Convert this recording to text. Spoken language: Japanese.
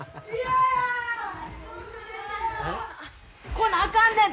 来なあかんねん！